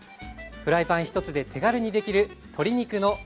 フライパン１つで手軽にできる鶏肉のビネガー煮。